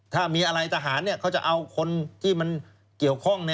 ถ้ามีอะไรทหารเขาจะเอาคนที่มันเกี่ยวข้อง